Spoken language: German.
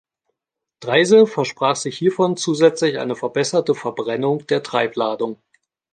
Dreyse versprach sich hiervon zusätzlich eine verbesserte Verbrennung der Treibladung.